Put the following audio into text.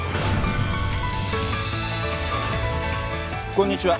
こんにちは。